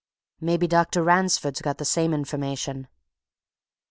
"Maybe Dr. Ransford's got the same information."